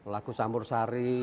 lagu sambur sari